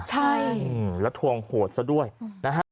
ใช่แล้วทวงโหดซะด้วยนะฮะ